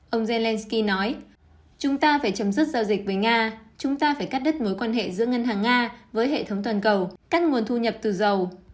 ông zelensky nói chúng ta phải chấm dứt giao dịch với nga chúng ta phải cắt đứt mối quan hệ giữa ngân hàng nga với hệ thống toàn cầu cắt nguồn thu nhập từ dầu